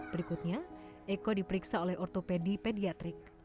berikutnya eko diperiksa oleh ortopedi pediatrik